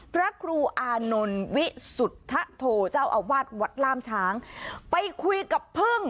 พระครูอานนท์วิสุทธโธเจ้าอาวาสวัดล่ามช้างไปคุยกับพึ่ง